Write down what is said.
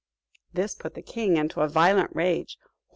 This put the king into a violent rage.